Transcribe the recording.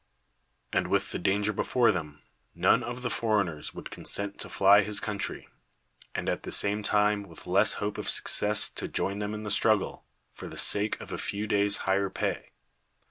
And with the danger before them, none of the foreigners would consent to fly his countiy, and at the same time with less hope of success to join them in the struggle, for the sake of a few days' higher pay.